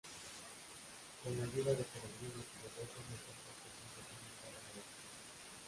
Con la ayuda de peregrinos y devotos, el templo fue completamente renovado.